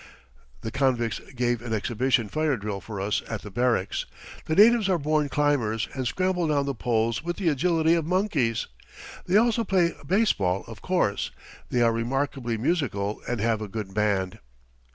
The convicts gave an exhibition fire drill for us at the barracks. The natives are born climbers, and scramble down the poles with the agility of monkeys. They also play baseball, of course. They are remarkably musical and have a good band.